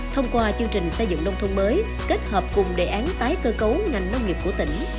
thông qua chương trình xây dựng nông thôn mới kết hợp cùng đề án tái cơ cấu ngành nông nghiệp của tỉnh